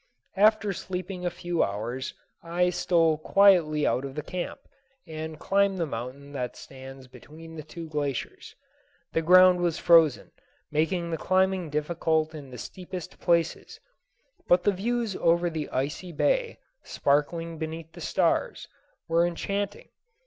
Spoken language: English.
After sleeping a few hours, I stole quietly out of the camp, and climbed the mountain that stands between the two glaciers. The ground was frozen, making the climbing difficult in the steepest places; but the views over the icy bay, sparkling beneath the stars, were enchanting.